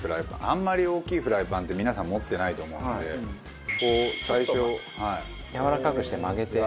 あんまり大きいフライパンって皆さん持ってないと思うのでこう最初。やわらかくして曲げて。